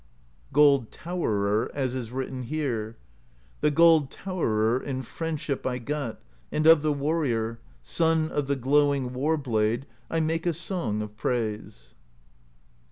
Gold Towerer, as is written here: The Gold Towerer in friendship I got, and of the Warrior, Son of the glowing War Blade, I make a song of praise.